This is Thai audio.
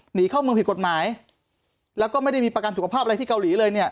หนีเข้าเมืองผิดกฎหมายแล้วก็ไม่ได้มีประกันสุขภาพอะไรที่เกาหลีเลยเนี่ย